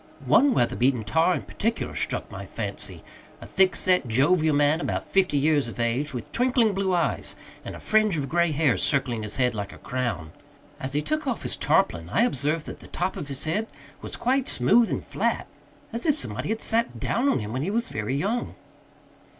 One weather beaten tar in particular struck my fancy a thick set, jovial man, about fifty years of age, with twinkling blue eyes and a fringe of gray hair circling his head like a crown. As he took off his tarpaulin I observed that the top of his head was quite smooth and flat, as if somebody had sat down on him when he was very young.